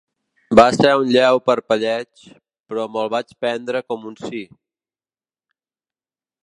Va ser un lleu parpelleig, però me'l vaig prendre com un sí.